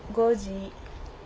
５時。